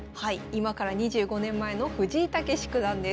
今から２５年前の藤井猛九段です。